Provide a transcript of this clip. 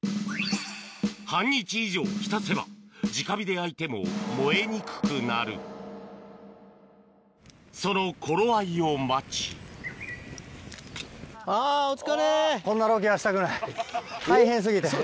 半日以上浸せばじか火で焼いても燃えにくくなるその頃合いを待ちこんなロケはしたくない大変過ぎて。